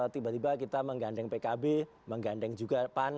tiba tiba kita menggandeng pkb menggandeng juga pan